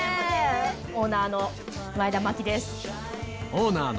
オーナーの前田真希です。